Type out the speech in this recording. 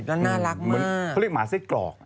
น่ารักมากเขาเรียกว่าหมาสเซลล์กรอก